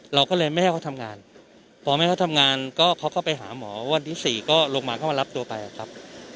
เราก็เลยไม่ให้เขาทำงานพอไม่ให้เขาทำงานก็เขาก็ไปหาหมอวันที่๔ก็ลงมาเข้ามารับตัวไปครับ